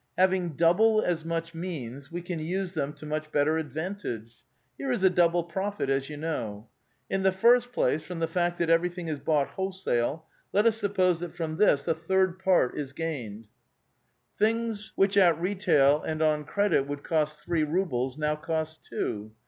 Having double as much means, we can use them to much better advantage. Here is a double profit, as you know. In the first place, from the fact that everything is bought wholesale, let us suppose that from this a third part is gained.. Things S96 A VITAL QUESTION. which at retail and on credit would cost three rubles now cost two.